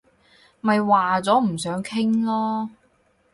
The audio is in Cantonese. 咪話咗唔想傾囉